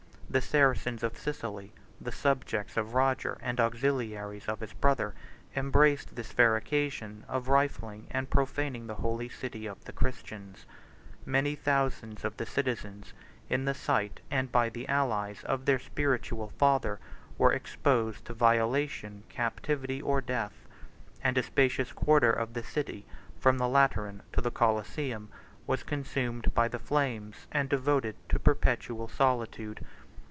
86 The Saracens of Sicily, the subjects of Roger, and auxiliaries of his brother, embraced this fair occasion of rifling and profaning the holy city of the Christians: many thousands of the citizens, in the sight, and by the allies, of their spiritual father were exposed to violation, captivity, or death; and a spacious quarter of the city, from the Lateran to the Coliseum, was consumed by the flames, and devoted to perpetual solitude.